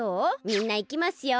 みんないきますよ。